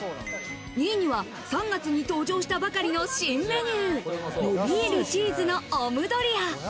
２位には３月に登場したばかりの新メニュー、のびるチーズのオムドリア。